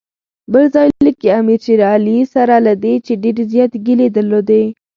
بل ځای لیکي امیر شېر علي سره له دې چې ډېرې زیاتې ګیلې درلودې.